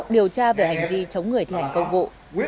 điều tra về hành vi chống người thi hành công vụ